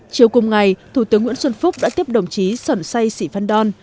chiều cùng ngày thủ tướng nguyễn xuân phúc đã tiếp đồng chí sởn say sĩ phan đon